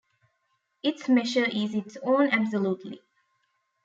Its measure is its own absolutely.